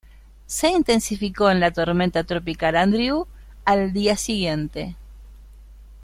Se intensificó en la Tormenta Tropical Andrew al día siguiente.